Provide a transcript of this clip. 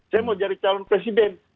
saya mau jadi calon presiden